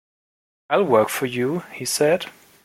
"I'll work for you," he said.